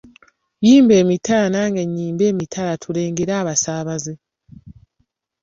Yima emitala nange nnyime emitala tulengere abasaabaze